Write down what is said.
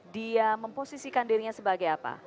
dia memposisikan dirinya sebagai apa